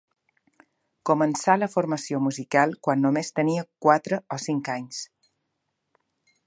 Començà la formació musical quan només tenia quatre o cinc anys.